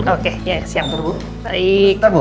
oke siapkan bu